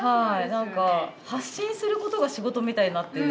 何か発信することが仕事みたいになってる。